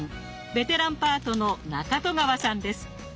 ベテランパートの中戸川さんです。